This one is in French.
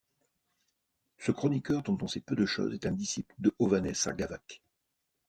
Ce chroniqueur dont on sait peu de choses est un disciple de Hovhannès Sarkavag.